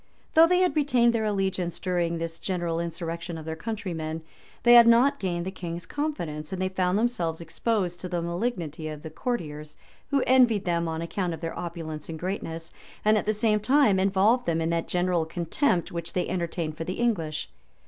Though they had retained their allegiance during this general insurrection of their countrymen, they had not gained the king's confidence, and they found themselves exposed to the malignity of the courtiers, who envied them on account of their opulence and greatness, and at the same time involved them in that general contempt which they entertained for the English.